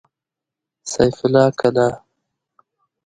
سيف الله کلا